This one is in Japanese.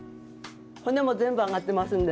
骨も全部揚がってますんで。